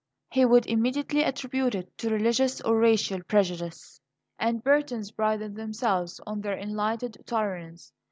He would immediately attribute it to religious or racial prejudice; and the Burtons prided themselves on their enlightened tolerance.